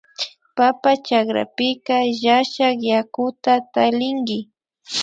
Papa chakrapika llashak yakuta tallinki